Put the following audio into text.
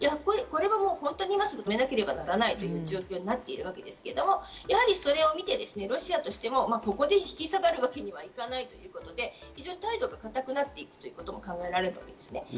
これは今すぐ止めなければならないという状況になっているわけですけれども、やはりそれを見て、ロシアとしても、ここで引き下がるわけにはいかないということで、態度がかたくなっていくことが考えられますね。